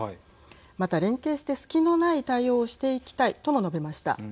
また連携して隙のない対応をしていきたいとも述べました。